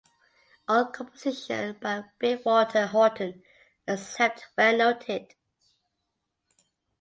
All compositions by Big Walter Horton except where noted